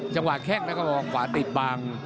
จังหวะแค่งแล้วก็บอกว่าขวาติดบาง